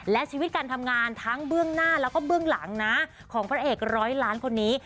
และชีวิตการทำงานทั้งเบื้องหน้าแล้วก็เบื้องหลังนะของพระเอกร้อยล้านคนนี้